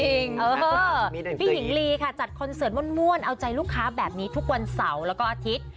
พี่หญิงลีค่ะจัดคอนเสิร์ตม่วนเอาใจลูกค้าแบบนี้ทุกวันเสาร์แล้วก็อาทิตย์